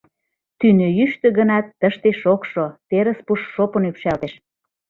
Тӱнӧ йӱштӧ гынат, тыште шокшо, терыс пуш шопын ӱпшалтеш.